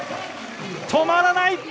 止まらない！